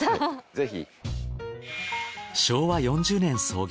ぜひ。